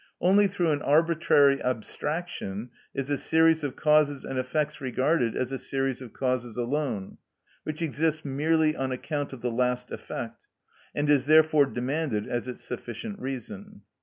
Only through an arbitrary abstraction is a series of causes and effects regarded as a series of causes alone, which exists merely on account of the last effect, and is therefore demanded as its sufficient reason.